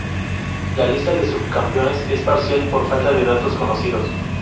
La lista de subcampeones es parcial, por falta de datos conocidos.